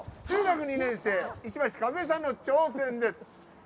中学２年生石橋和恵さんの挑戦です。